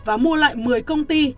và mua lại một mươi công ty